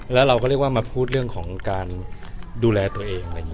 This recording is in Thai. แล้วเราก็เรียกว่ามาพูดเรื่องของการดูแลตัวเอง